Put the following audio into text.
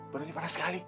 baru ini parah sekali